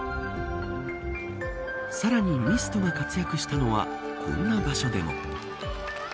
さらにミストが活躍したのはこんな場所でも。